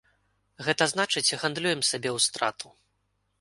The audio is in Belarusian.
Гэта значыць, гандлюем сабе ў страту.